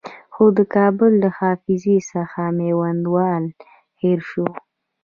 خو د کابل له حافظې څخه میوندوال هېر شوی.